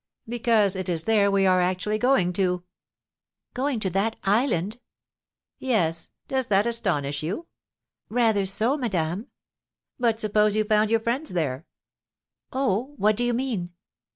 "Because it is there we are actually going to." "Going to that island?" "Yes; does that astonish you?" "Rather so, madame." "But suppose you found your friends there?" "Oh, what do you mean?"